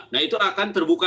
nah itu akan terbuka